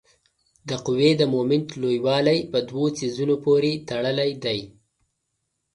د قوې د مومنټ لویوالی په دوو څیزونو پورې تړلی دی.